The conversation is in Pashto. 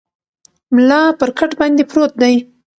ملا پر کټ باندې پروت دی.